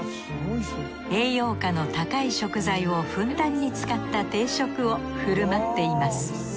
栄養価の高い食材をふんだんに使った定食をふるまっています。